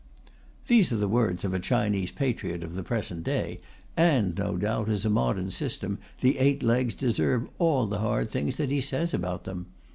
These are the words of a Chinese patriot of the present day, and no doubt, as a modern system, the "Eight Legs" deserve all the hard things that he says about them.